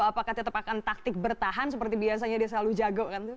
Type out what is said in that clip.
apakah tetap akan taktik bertahan seperti biasanya dia selalu jago kan tuh